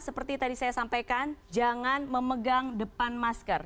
seperti tadi saya sampaikan jangan memegang depan masker